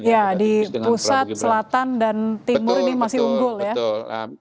ya di pusat selatan dan timur ini masih unggul ya